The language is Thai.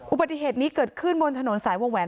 อุบัติเหตุนี้เกิดขึ้นบนถนนสายวงแหวน